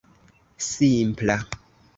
simpla